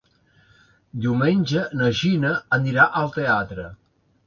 Diumenge na Gina anirà al teatre.